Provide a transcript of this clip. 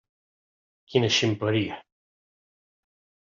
Quina ximpleria!